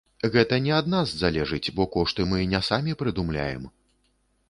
Гэта не ад нас залежыць, бо кошты мы не самі прыдумляем.